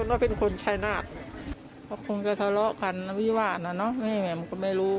แต่ไอ้นายมันคงไม่คิดว่าเฮงมีมีดคงไม่คิด